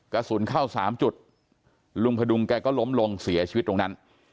กระสุนเข้าสามจุดลุงพดุงแกก็ล้มลงเสียชีวิตตรงนั้น